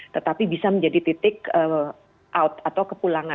tetapi bisa menjadi titik out atau kepulangan